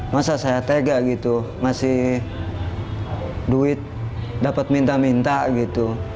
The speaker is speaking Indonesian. masa saya tega gitu masih duit dapat minta minta gitu